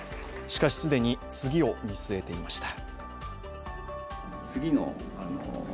しかし既に次を見据えていました。